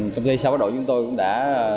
công ty sao bắc độ chúng tôi cũng đã